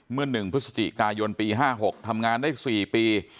เมื่อ๑พฤศจิกายนปี๕๖ทำงานได้๔ปี